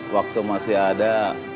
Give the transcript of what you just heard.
waktu masih ada